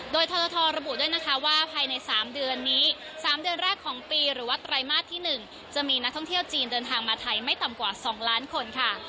โดยทรทระบุด้วยนะคะว่าภายใน๓เดือนนี้๓เดือนแรกของปีหรือว่าไตรมาสที่๑จะมีนักท่องเที่ยวจีนเดินทางมาไทยไม่ต่ำกว่า๒ล้านคนค่ะ